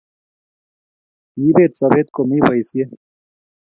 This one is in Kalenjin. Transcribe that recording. kiibet sobeet komiii boisie.